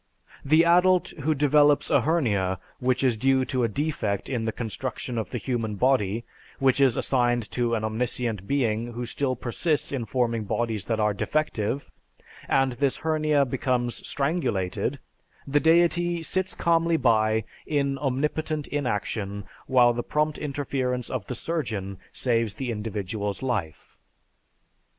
The adult who develops a hernia, which is due to a defect in the construction of the human body, which is assigned to an omniscient being who still persists in forming bodies that are defective, and this hernia becomes strangulated (twisted), the deity sits calmly by in omnipotent inaction, while the prompt interference of the surgeon saves the individual's life.